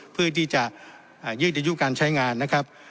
เพื่อที่จะยืดอายุการใช้งานนะครับ